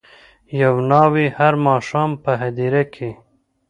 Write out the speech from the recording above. یوه ناوي هر ماښام په هدیره کي